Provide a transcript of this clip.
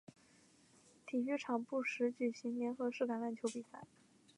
体育场不时举行联合式橄榄球比赛。